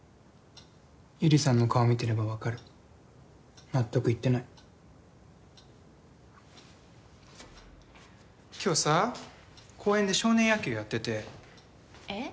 百合さんの顔見てれば分かる納得いってない今日さ公園で少年野球やっててえっ？